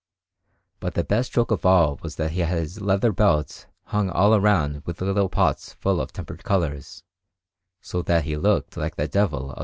But the best joke of all was that he had his leather belt hung all round with little pots full of tempered colours, so that he looked like the Devil of S.